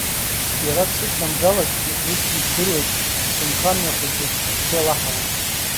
Иара дсыднамгалазҭгьы, усгьы ибдыруеит, сынхамҩа хәыҷы сцәеилаҳауан.